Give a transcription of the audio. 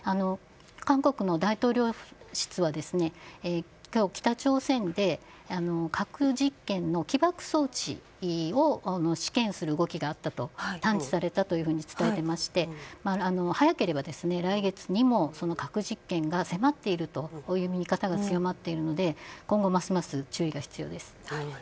韓国の大統領室は今日、北朝鮮で核実験の起爆装置を試験する動きがあったと探知されたというふうに伝えていまして早ければ来月にも核実験が迫っているという見方が強まっているので今後ますます注意が必要です。